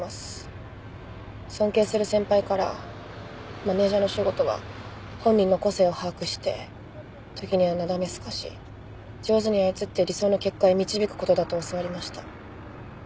尊敬する先輩からマネジャーの仕事は本人の個性を把握して時にはなだめすかし上手に操って理想の結果へ導くことだと教わりました。